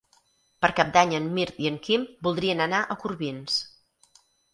Per Cap d'Any en Mirt i en Quim voldrien anar a Corbins.